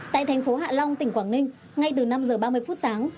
tại thành phố hạ long tỉnh quảng ninh ngay từ năm giờ ba mươi phút sáng